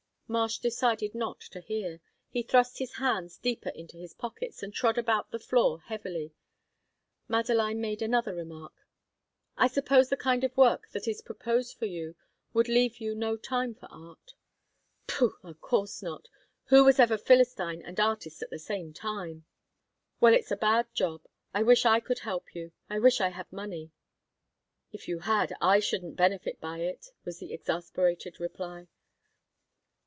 Marsh decided not to hear. He thrust his hands deeper into his pockets, and trod about the floor heavily. Madeline made another remark. "I suppose the kind of work that is proposed for you would leave you no time for art?" "Pooh! of course not. Who was ever Philistine and artist at the same time?" "Well, it's a bad job. I wish I could help you. I wish I had money. "If you had, I shouldn't benefit by it," was the exasperated reply.